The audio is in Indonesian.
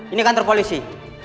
ini kantor polisi